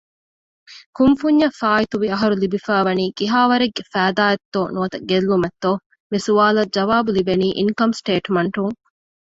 ކުންފުންޏަށް ފާއިތުވި އަހަރު ލިބިފައިވަނީ ކިހާވަރެއްގެ ފައިދާ އެއްތޯ ނުވަތަ ގެއްލުމެއްތޯ؟ މިސުވާލަށް ޖަވާބު ލިބެނީ އިންކަމް ސޓޭޓްމަންޓުން